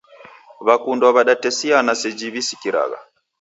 Wakundwa wadatesiana seji wisikiragha.